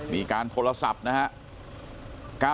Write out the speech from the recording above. มีการโทรศัพท์นะฮะ